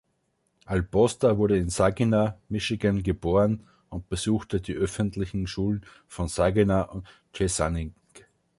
Albosta wurde in Saginaw, Michigan, geboren und besuchte die öffentlichen Schulen von Saginaw und Chesaning.